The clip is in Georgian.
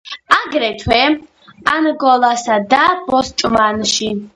აგრეთვე, ანგოლასა და ბოტსვანაში.